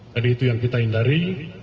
itu yang kita hindari